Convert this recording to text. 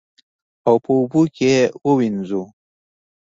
او په اوبو کې یې ووینځو.